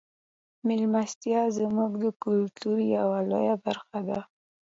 میلمستیا زموږ د کلتور یوه لویه برخه ده.